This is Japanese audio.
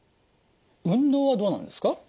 運動はどうなんですか？